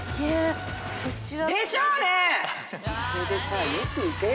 えっ！？